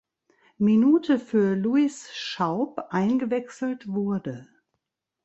Minute für Louis Schaub eingewechselt wurde.